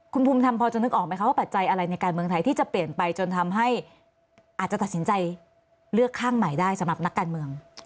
คุณภูมิธรรมพอจะนึกออกไหมคะว่าปัจจัยอะไรในการเมืองไทยที่จะเปลี่ยนไปจนทำให้อาจจะตัดสินใจเลือกข้างใหม่ได้สำหรับนักการเมือง